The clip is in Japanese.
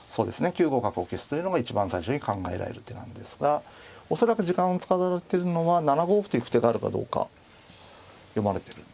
９五角を消すというのが一番最初に考えられる手なんですが恐らく時間を使われてるのは７五歩と行く手があるかどうか読まれてるんですね。